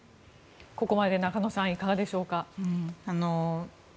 ここまで中野さんいかがでしょうか。